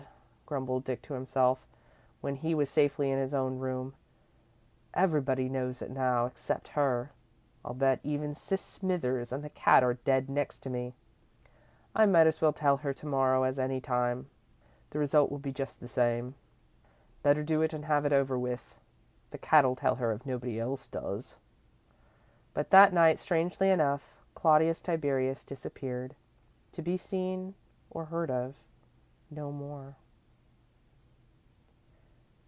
grumbled Dick to himself, when he was safely in his own room. "Everybody knows it now, except her. I'll bet even Sis Smithers and the cat are dead next to me. I might as well tell her to morrow as any time, the result will be just the same. Better do it and have it over with. The cat'll tell her if nobody else does." But that night, strangely enough, Claudius Tiberius disappeared, to be seen or heard of no more.